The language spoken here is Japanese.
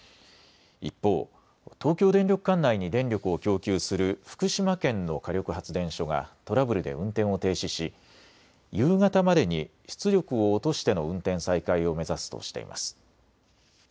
一方、東京電力管内に電力を供給する福島県の火力発電所がトラブルで運転を停止し夕方までに出力を落としての運転再開を目指すとしています。